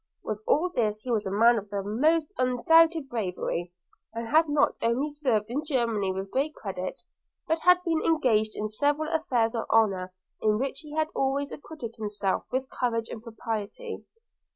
With all this he was a man of the most undoubted bravery; and had not only served in Germany with great credit, but had been engaged in several affairs of honour, in which he had always acquitted himself with courage and propriety.